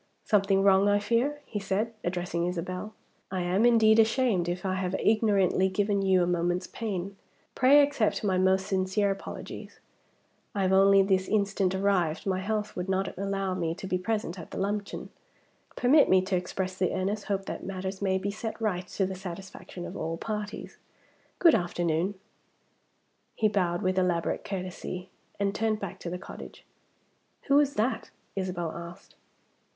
"Something wrong, I fear?" he said, addressing Isabel. "I am, indeed, ashamed if I have ignorantly given you a moment's pain. Pray accept my most sincere apologies. I have only this instant arrived; my health would not allow me to be present at the luncheon. Permit me to express the earnest hope that matters may be set right to the satisfaction of all parties. Good afternoon!" He bowed with elaborate courtesy, and turned back to the cottage. "Who is that?" Isabel asked.